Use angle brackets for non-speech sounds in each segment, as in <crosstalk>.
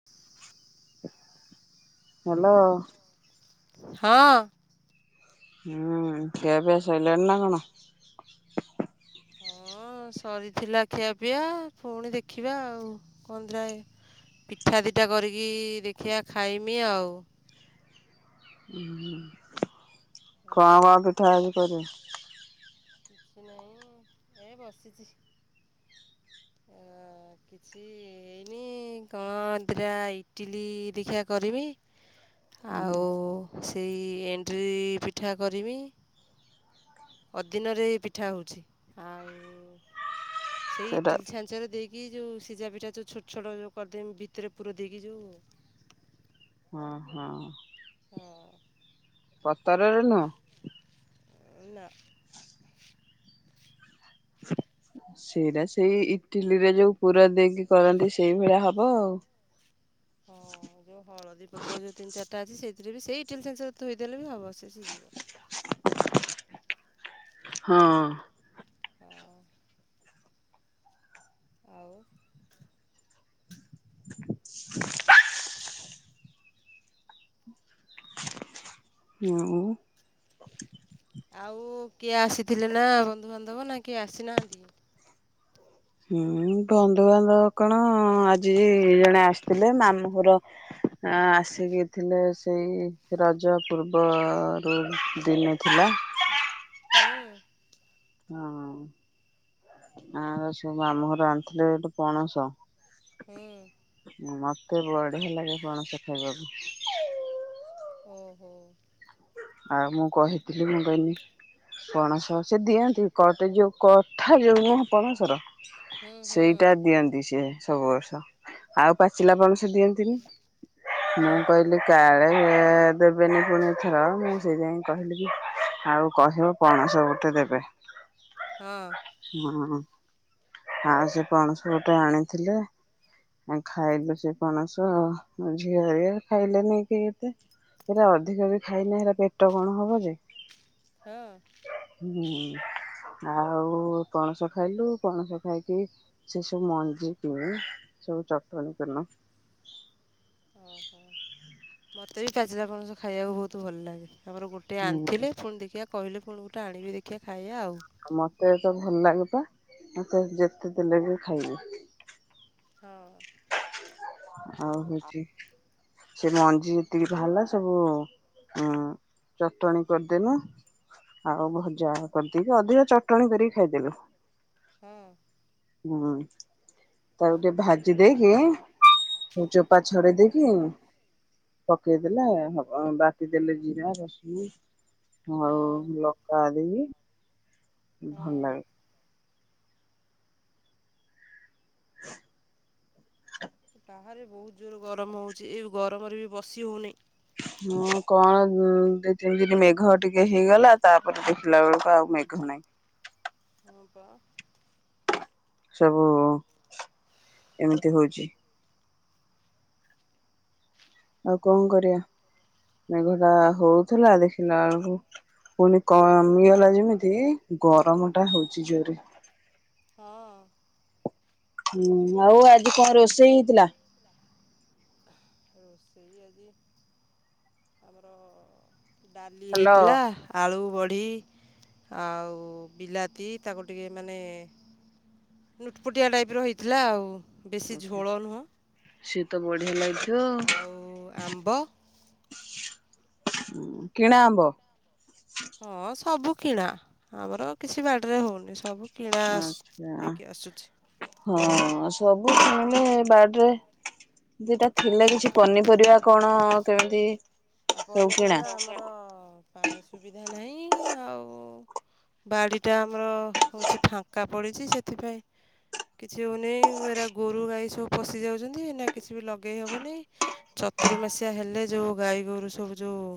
<inaudible> Hello. ହଁ। ହୁଁ ଖିଆ ପିଆ ସଇଲାଣି ନା କଣ? ହଁ ସରିଥିଲା ଖିଆପିଆ ପୁଣି ଦେଖିବା ଆଉ କନ୍ଦାଏ ପିଠା ଦିଇଟା କରିକି ଦେଖିଆ ଖାଇମି ଆଉ। ହୁଁ କଣ କଣ ପିଠା ଆଜି କରିବୁ? କିଛି ନାହିଁ ଏ ବସିଚି। ଆ କିଛି କିଛି ହେଇନି କଣ ଦିଇଟା ଇଟିଲି ଦେଖିଆ କରିମି। ଆଉ ସେଇ ଏଣ୍ଡ୍ରି ପିଠା କରମି। ଅଦିନରେ ପିଠା ହଉଚି ଆଉ ସେଇ ସେଟା ଇଟିଲି ଛାଞ୍ଚରେ ଦେଇକି କି ଯୋଉ ସିଝାପିଠା ଯୋଉ ଛୋଟ ଛୋଟ ଯୋଉ କରିଦେଇମି ଭିତରେ ପୁର ଦେଇକି ଯୋଉ ହଁ ହଁ ହଁ ପତରରେ ନୁହଁ? ନାଁ। ସେଇରା ସେଇ ଇଟିଲିରେ ଯୋଉ ପୁର ଦେଇକି କରନ୍ତି ସେଇଭଳିଆ ହବ ଆଉ। ହଁ। ଯୋଉ ହଳଦୀ ପତ୍ର ଯୋଉ ତିନି ଚିରିଟା ଅଛି ସେଥିରେବି ସେଇ ଇଟିଲି ଛାଞ୍ଚରେ ଥୋଇଦେଲେବି ହବ ସେ ସିଝିବ। ହଁ। ହଁ। ଆଉ। ଆଉ। ଆଉ କିଏ ଆସିଥିଲେନା ବନ୍ଧୁବାନ୍ଧବନା କିଏ ଆସିନାହାନ୍ତି। ହୁଁ ବନ୍ଧୁବାନ୍ଧବ କଣ ଆଜି ଜଣେ ଆସିଥିଲେ ମାମୁଁଘର ଆସିକି ଥିଲେ ସେଇ ରଜ ପୂର୍ବରୁ ଦିନେ ଥିଲା। ହୁଁ। ହଁ ଆଉ ସେମାମୁ ଘରୁ ଆଣିଥିଲେ ଗୋଟେ ପଣସ ହୁଁ। ମତେ ବଢିଆ ଲାଗେ ପଣସ ଖାଇବାକୁ। ଓହୋ। ଆଉ ମୁଁ କହିଥିଲି ମୁଁ କହନି ପଣସ ସେ ଦିଅନ୍ତି କଟ ଯୋଉ କଥା ଯୋଉ ନୁହଁ ପଣସର ହୁଁ ହୁଁ ସେଇଟା ଦିଅନ୍ତି ସିଏ ସବୁ ବର୍ଷ ଆଉ ପାଚିଲାପଣସ ଦିଅନ୍ତି। ତିନି ମୁଁ ହଁ। କହିଲି କାଳେ ଦେବନି ପୁଣିଥର କହିଲିକି ଆଉ କହିବ ପଣସ ଗୋଟେ ଦେବେ। ହଁ। ହଁ ଆଉ ସେ ପଣସ ଗୋଟେ ଆଣିଥିଲେ। ଆ ଖାଇଲୁ ସେଟଣସ ମୋ ଝିଅଅରିକା ଖାଇଲେ ନେଇ କିଏ ଏତେ। ଏରା ଅଧିକାବି ଖାଇନା ଏରା ପେଟ କଣ ହବଯେ। ହଁ ହୁଁ ଆଉ ପଣସ ଖାଇଲୁ ପଣସ ଖାଇକି ସେସବୁ ମଞ୍ଜିକି ସବୁ ଚଟଣୀ କରିନୁ। ଉଁ ହୁଁ ମତେବି ପାଚିଲା ପଣସ ଖାଇବାକୁ ବହୁତ୍ ଭଲ ଲାଗେ ଆମର ଗୋଟେ ଗୋଟେ ହୁଁ ଆଣିଥିଲେ ପୁଣି ଦେଖିବା କହିଲେ ପୁଣି ଗୋଟେ ଆଣିବି ଦେଖିବା ଖାଇବା ଆଉ। ଆଉ ମତେତ ଭଲ ଲାଗେପା ମତେ ଯେତେ ଦେଲେବି ଖାଇବି। ହଁ। ଆଉ ହଉଛି ସେ ମଞ୍ଜି ଯେତିକି ବାହାରିଲା ସବୁ। ଉଁ ଚଟଣି କରିଦେନୁ। ଆଉ ଭଜା କରିଦେଇକି ଅଧିକ ଚଟଣୀ କରିକି ଖାଇଦେଲୁ। ହୁଁ। ହୁଁ। ତାକୁ ଟିକେ ଭାଜି ଦେଇକି ଯୋଉ ଚୋପା ଛଡେଇ ଦେଇକି। ପକେଇ ଦେଲେ ହବ ଆଉ ବାଟି ଦେଲେ ଜିରା ରସୁଣ। ହଁ ଆଉ ଲଙ୍କା ଦେଇକି ଭଲ ହଁ। ଲାଗେ। ଏ ବାହାରେ ବହୁତ ଜୋର ଗରମ ହଉଛି ଏ ଗରମରେ ବି ବସି ହଉନି। ହୁଁ କଣ ଦି ତିନି ଦିନ ମେଘ ଟିକେ ହେଇଗଲା ତାପରେ ଦେଖିଲା ବେଳକୁ ଆଉ ମେଘ ନାହିଁ। ହଁ ପା। ସବୁ ଏମିତି ହଉଛି। ଆଉ କଣ କରିବା ମେଘ ଟା ହଉଥିଲା ଦେଖିଲା ବେଳକୁ। ପୁଣି କମିଇଗଲା ଯେମିତି ଗରମ ଟା ହଉଛି ଜୋରେ। ହଁ। ହୁଁ ଆଉ ଆଜି କଁ ରୋଷେଇ ହେଇଥିଲା। ରୋଷେଇ ଆଜି ଆମର ଡାଲି ହ୍ୟାଲୋ ହେଇଥିଲା। ଆଳୁ ବଢ଼ି ଆଉ ବିଲାତି ତାକୁ ଟିକେ ମାନେ। ନୁଟପୁଟିଆ ଟାଇପ ର ହେଇଥିଲା ଆଉ ବେଶୀ ଝୋଳ ନୁହଁ। ସିଏ ତ ବଢିଆ ଲାଗିବ। ଆଉ ଆମ୍ବ ହୁଁ କିଣା ଆମ୍ବ। ହଁ ସବୁ କିଣା ଆମର କିଛି ବାଡିରେ ହଉନି ସବୁ। କିଣା ଆସ ଆଛା ହେଇକି ଆସୁଛି। ହଁ ସବୁ କିଣିଲେ ବାଡିରେ। ଦିଟା ଥିଲେ କିଛି ପନିପରିବା କଣ କେମିତି ଆଉ ସବୁ କିଣା। ପନିପରିବା ଆମର ପାଣି ସୁବିଧା ନାହିଁ ଆଉ। ବାଡ଼ିଟା ଆମର ହଉଛି ଫାଙ୍କା ପଡିଛି ସେଥିପାଇଁ। କିଛି ହଉନେଇ ଏରା ଗୋରୁ ଗାଈ ସବୁ ପଶି ଯାଉଛନ୍ତି ଏନା। କିଛି ବି ଲଗେଇ ହବନେଇ ଚତୁର୍ମାସିଆ ହେଲେ ଯୋଉ ଗାଈ ଗୋରୁ ସବୁ ଯୋଉ।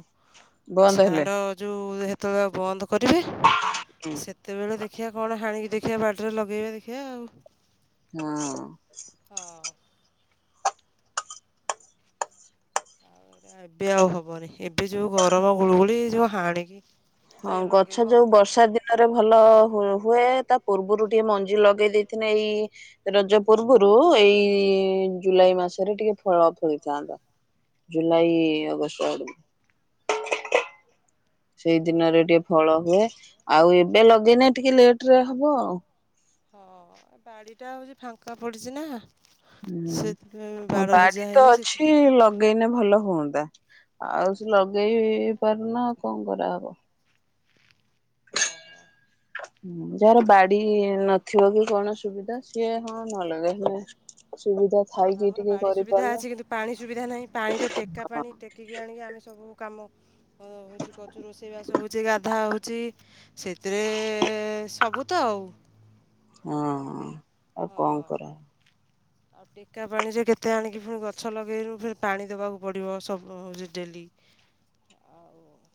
ବନ୍ଦ ହେଲେ ଛାଡ ଯୋଉ ହେତେ ବେଳେ ବନ୍ଦ କରିବେ ହୁଁ ସେ ସେତେବେଳେ ଦେଖିବା କଣ ହାଣିକି ଦେଖିବା ବାଡି ରେ ଲଗେଇବା ଦେଖିବା ଆଉ। ହଁ। ହ। ଏରା ଆଉ ଏବେ ଆଉ ହବନି ଏବେ ଯୋଉ ଗରମ ଗୁଳୁଗୁଳି ଏ ଯୋଉ ହାଣିକି। ହଁ କିଏ ଗଛ ଲଗେଇବ ଯୋଉ ବର୍ଷା ଦିନ ନେ ରେ ଭଲ ହୁ ହୁଏ ତା ପୂର୍ବରୁ ଟିକେ ମଞ୍ଜି ଲଗେଇ ଦେଇଥିନେ ଏଇ। ରଜ ପୂର୍ବରୁ ଏଇ ଜୁଲାଇ ମାସରେ ଟିକେ ଫଳ ଫଳିଥାନ୍ତା। ଜୁଲାଇ ଅଗଷ୍ଟ ଆଡକୁ। ସେଇ ଆଉ ଦିନରେ ଟିକେ ଫଳ ହୁଏ ଆଉ ଏବେ ଲଗେଇନେ ଟିକେ ଲେଟ ରେ ହବ ଆଉ। ହଁ ଏ ବାଡ଼ିଟା ହଉଛି ଫାଙ୍କା ପଡିଛି ନା। ହୁଁ ସେଥିପାଇଁ ହଁ ବାଡ଼ ବୁଜା ବାଡି ତ ହେଇନି ଅଛି ସେଥିପାଇଁ ଲ ଲଗେଇନେ ଭଲ ହୁଅନ୍ତା ଆଉ ହଁ ସେ ଲଗେଇ ପାରୁନ ଆଉ କଣ କରାହବ। ଓହୋ। ହୁଁ ଯାହାର ବାଡି ନଥିବ କି କଣ ସୁବିଧା ସିଏ ହଁ ନ ଲଗେଇ ଲେ। ସୁବିଧା ଥା ଆମର ବାଡି ସୁବିଧା ଅଛି କିନ୍ତୁ ପାଣି ସୁବିଧା ନାହିଁ ପାଣି ତ ଟେକା ପାଣି ଟ ଆକିକି ଆଣିକି ଆମେ ସବୁ କାମ ହେଉଛି କରଛୁ ରୋଷେଇବାସ ହେଉଛି ଗାଧା ଦୋଉଛ। ସେଥିରେ ସବୁ ତ ଆଉ ହଁ ଆଉ କଣ କର ଅପ୍। ଟେକା ପାଣିରେ କେତେ ଆଣିକି ପୁଣି ଗଛ ଲଗେଇନୁ ଫ ପାଣି ଦେବାକୁ ପଡ଼ିବ ସବୁ ଡେଲି,। ଆଉ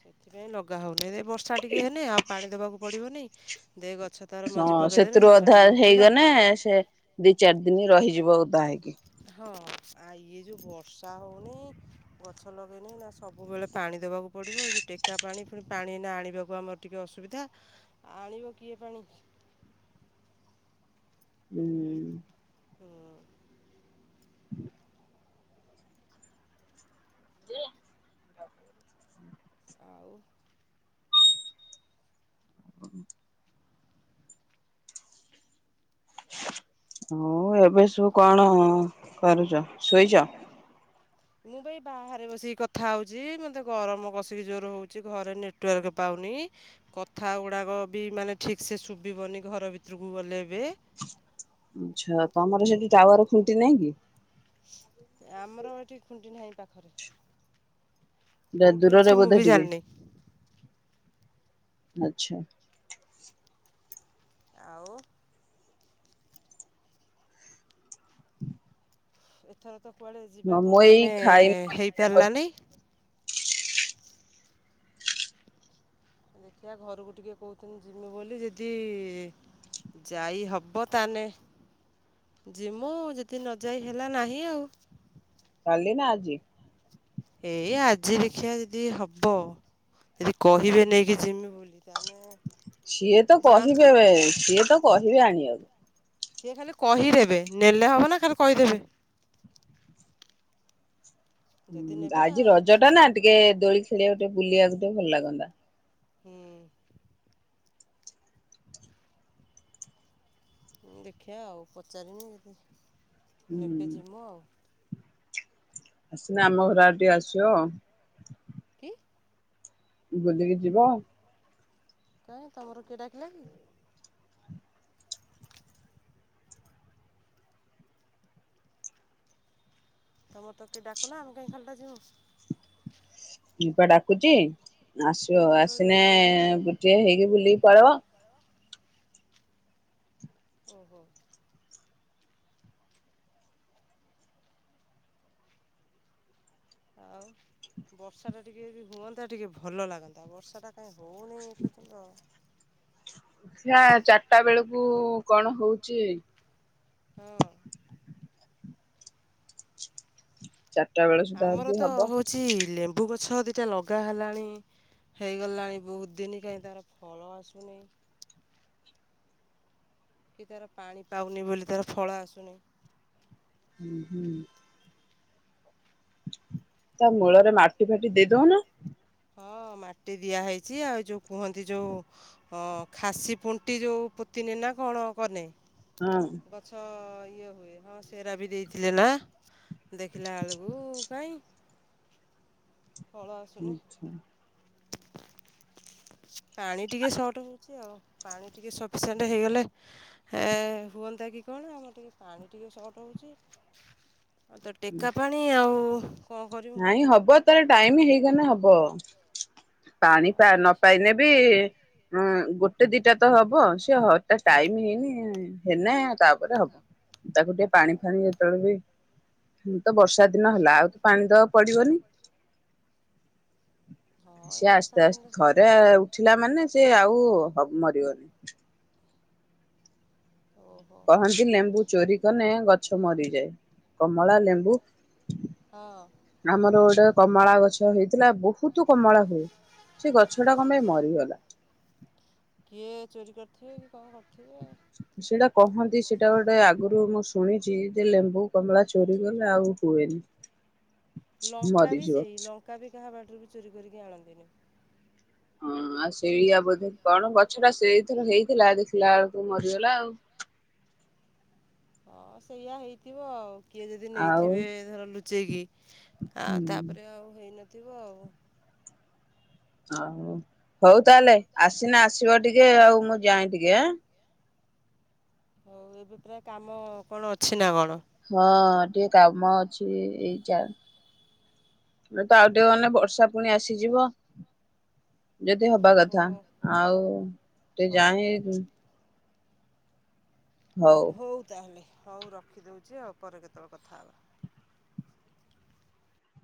ସେଥିପାଇଁ ଲଗା ହଉନି ଦେ ବର୍ଷା ଟିକେ ହେନି ଆଉ ପାଣି ଦବାକୁ ପଡିବନି ଦେ ଗଛ ତାର ମଞ୍ଜି ହଁ ପକାଇଦେଲେ ସେ ସେଥିରୁ ତାର ଅଧା ଟିକେ ଉଠିଲା ହେଇଗଲେ ସେ ଦି ଚାରି ଦିନ ରହିଯିବ ଓଧା ହେଇକି। ହଁ ଆ ଇଏ ଯୋଉ ବର୍ଷା ହଉନି ଗଛ ଲଗେଇନି ନା ସବୁବେଳେ ପାଣି ଦବାକୁ ପଡିବ ଏଇ ଯୋଉ ଟେକା ପାଣି ପୁଣି ପାଣି ନା ଆଣିବାକୁ ଆମର, ଟିକିେ ଅସୁବିଧା ଆଣିବ କିଏ ପାଣି ହୁଁ। ହୁଁ। <unintelligible> ଆଉ <unintelligible> ହଉ ଏବେ ସବୁ କଣ କରୁଚ ଶୋଇଛ? ମୁଁ ବା ଏଇ ବାହାରେ ବସିକି କଥା ହଉଛି ମତେ ଗରମ କଷିକି ଜୋର ହଉଛି ଘରେ ନେଟୱାର୍କ ପାଉନି। କଥା ଗୁଡ଼ାକ ବି ମାନେ ଠିକ୍ ସେ ଶୁଭିବନି ଘର ଭିତରକୁ ଗଲେ ଏବେ ଆଚ୍ଛା ତମର ସେଠି ଟାୱାର ଖୁଣ୍ଟି ନାହିଁ କି? ଆମର ଏଠି ଖୁଣ୍ଟି ନାହିଁ ପାଖରେ। କୋଉଠି ଦୂରରେ ଅଛି ମୁଁ ବୋଧେ ବି ଟିକେ? ଜାଣିନି। ଆଚ୍ଛା। ଆଉ ଏଥର ତ କୁଆଡ଼େ ହଁ ଯିବା ମୁଁ ଏଇ ପ୍ରୋଗ୍ରାମ ଖାଇ ହେଇପାରିଲାନି। ଦେଖିଆ ଘରକୁ ଟିକେ କହୁଥିନି ଯିବି ବୋଲି ଯଦି ଯାଇ ହବ ତାନେ ଯିମୁ ଯଦି ନ ଯାଇ ହେଲା ନାହିଁ ଆଉ। କାଲି ନା ଆଜି? ଏଇ ଆଜି ଦେଖିଆ ଯଦି ହବ? ଯଦି କହିବେ ନେଇକି ଯିମି ବୋଲି ତାହେନେ ସିଏ ତ କହିବେ ସିଏ ତ କହିବେ ଆଣିବାକୁ। ସିଏ ଖାଲି କହିଦେବେ, ନେଲେ ହବ ନା ଖାଲି କହିଦେବେ? ଯଦି ନେବେ ଆଜି ରଜ ଟା ଯିମୁ। ନା ଟିକେ ଦୋଳି ଖେଳିବାକୁ ଟିକେ ବୁଲିବାକୁ ଟିକେ ଭଲ ଲାଗନ୍ତା। ହୁଁ। ଦେଖିଆ ଆଉ ପଚାରିମି ନେବେ ହୁଁ ଯିମୁୁ ଆଉ। ନା ଆମ ଘର ଆଡେ ଟିକେ ଆସିବ। କି? ବୁଲିକି ଯିବ। କାଇଁ ତମର କିଏ ଡାକିଲା କି? ତମର ତ କିଏ ଡାକୁନ ଆମେ କାଇଁ ଖାଲିଟା ଯିବୁ। ଏଇପା ଡାକୁଚି ଆସିବ କେତେବେଳେ ଆସିଲେ ଏଇନାକେ ଟିକେ ହେଇକି ବୁଲିକି ପଳେଇବ। ଓହୋ। ଆଉ ବର୍ଷାଟା ଟିକେ ବି ହୁଅନ୍ତା ଟିକେ ଭଲ ଲାଗନ୍ତା। ବର୍ଷାଟା କାଇଁ ହଉନି ଏବେ ଦେଖିବା ଚାରିଟା ବେଳକୁ କଣ ହୋଉଛି? ହଁ। ଚା ଆମର ତ ହୋଉଛି ଲେ ମ୍ୱୁ ଗଛ ଦିଟା ଲଗା ହେଲାଣି, ହେଇଗଲାଣି ବୋହୁତ୍ ଦିନ୍ କାହିଁ ତାର ଫ ଫଳ ଆସୁନି। କି ତାର ପାଣି ପାଉନି ବୋଲି ତାର ଫଳ ଆସୁନି। ହୁଁ, ହୁଁ। ତା ମୂଳରେ ମାଟି ଫାଟି ଦେଇ ଦୋଉନ। ହଁ, ମାଟି ଦିଆ ହେଇଛି ଆଉ ଯୋଉ କୁହନ୍ତି ଯୋଉ ହଁ ଖାସି ଫୁଣ୍ଟି ଯୋଉ ପୋତିନି ନା କଣ କନେ ହୁଁ। ଗଛ ଇଏ ହୁଏ, ହଁ ସେରା ବି ଦେଇଥିଲେ ନା? ଦେଖିଲା ବେଳକୁ କାଇଁ? ଫଳ ଆସୁନି? ଆଛା ପାଣି ଟିକେ ସର୍ଟ ହୋଉଛି ଆଉ। ପାଣି ଟିକେ ସଫିସେଣ୍ଟ ହେଇଗଲେ, ଏ ହୁଅନ୍ତା କି କଣ ଆମର ଟିକେ ପାଣି ଟିକେ ସର୍ଟ ହୋଉଛି। ଆଉ ତ ଟେକା ପାଣି ଆଉ। କଣ କରିବୁ ନାଇଁ ହବ ତାର ଟାଇମ୍ ହେଇଗଲେ ହବ। ପାଣି ହଁ ନ ଦେଖି ପାଇନେ ବି ହଁ, ଗୋଟେ ଦିଟା ତ ହବ। ସେ ହ ଟାଇମ୍ ହେଇନି, ହେନେ ତାପରେ ହବ। ତାକୁ ଟିକେ ପାଣି ଫାଣିି ଯେତେବେଳେ ବି ଉଁ ତ ବର୍ଷା ଦିନ ହେଲା, ଆଉ ତ ପାଣି ଦବାକୁ ପଡିବନି? ହଁ ଏ ସିଏ ବର୍ଷା ଆସ୍ତେ, ଦିନରେ ଆସ୍ତେ ଥରେ ଉଠିଲା ମାନେ ସେ ଆଉ ମରିବନି। ଓହୋ କହନ୍ତି ଲେମ୍ବୁ ଚୋରି କନେ ଗଛ ମରିଯାଏ। କମଳା, ଲେମ୍ବୁ ହଁ। ଆମର ଗୋଟେ କମଳା ଗଛ ହେଇଥିଲା ବୋହୁତ୍ କମଳା ହୁଏ। ସେ ଗଛ ଟା କଣ ପାଇଁ ମରିଗଲା। କିଏ ଚୋରି କରିଥିବେ କି କଣ କରିଥିବେ ଆଉ। ସେଇଟା କହନ୍ତି ସେଇଟା ଗୋଟେ ଆଗରୁ ମୁଁ ଶୁଣିଛି, ଯେ ଲେମ୍ବୁ କମଳା ଚୋରି କଲେ ଆଉ ହୁଏନି। ଲଙ୍କା ବି ମରିଯିବ। ସେଇ, ଲଙ୍କା ବି କାହା ବାଡିରୁ ଚୋରି କରିକି ଆଣନ୍ତିନି। ହଁ ଆଉ ସେଇଆ ବୋଧ କଣ, ଗଛଟା ସେଇଥିର ହେଇଥିଲା ଦେଖିଲା ବେଳକୁ ମରିଗଲା ଆଉ। ହଁ ସେଇଆ ହେଇଥିବ ଆଉ, କିଏ ଯଦି ଆଉ ନେଇଥିବେ ଧର ଲୁଚେଇକି ଆ ହୁଁ। ତାପରେ ଆଉ ହେଇନଥିବ ଆଉ। ଆଉ, ହୋଉ ତାହେଲେ ଆସିନ ଆସିବ ଟିକେ, ଆଉ ମୁଁ ଯାଏଁ ଟିକେ। ହୋଉ ଏବେ ପୁରା କାମ କଣ ଅଛି ନା କଣ? ହଁ ଟିକେ କାମ ଅଛି ଏଇ ଚା ଏ ତ ଆଉ ଟିକେ ଗନେ, ବର୍ଷା ଫୁଣି ଆସିଯିବ। ଯଦି ହବା ଓହୋ କଥା, ଆଉ ଟିକେ ହଉ ଜାଣି ହଉ। ହୋଉ ତାହେଲେ, ହୋଉ ରଖିଦୋଉଛି ଆଉ, ପରେ କେତେବେଳେ କଥା ହେବା।